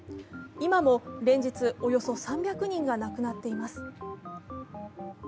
今も連日およそ３００人が亡くなっています。